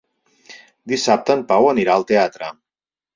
Dissabte en Pau anirà al teatre.